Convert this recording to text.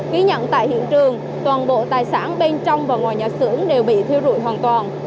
ký nhận tại hiện trường toàn bộ tài sản bên trong và ngoài nhà xưởng đều bị thiêu rụi hoàn toàn